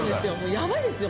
やばいですよ！